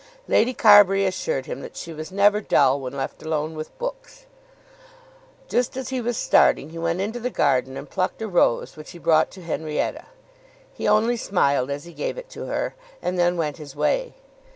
Lady Carbury assured him that she was never dull when left alone with books. Just as he was starting he went into the garden and plucked a rose which he brought to Henrietta. He only smiled as he gave it her, and then went his way.